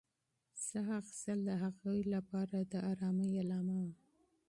ساه اخیستل د هغې لپاره د ارامۍ نښه وه.